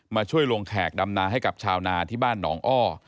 มาช่วยลงแขกดำนาให้กับชาวนาที่บ้านหนองอ้อ